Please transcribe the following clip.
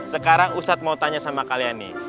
sekarang ustadz mau tanya sama kalian nih